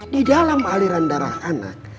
di dalam aliran darah anak